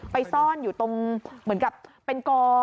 ซ่อนอยู่ตรงเหมือนกับเป็นกอ